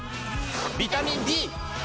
ビタミン Ｂ！